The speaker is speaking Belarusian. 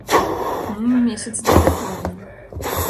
Ну, месяц дык дакладна.